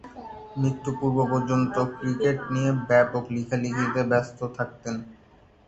মৃত্যু পূর্ব-পর্যন্ত ক্রিকেট নিয়ে ব্যাপক লেখালেখিতে ব্যস্ত থাকতেন।